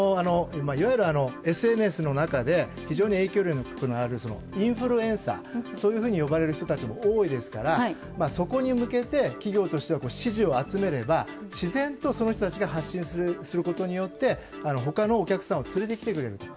いわゆるＳＮＳの中で非常に影響力のあるインフルエンサーそういうふうに呼ばれる人たちも多いですからそこに向けて企業としては支持を集めれば自然とその人たちが発信することによってほかのお客さんを連れてきてくれる。